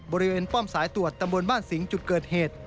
บริเวณป้อมสายตรวจตำรวจบ้านสิงห์จุดเกิดเหตุ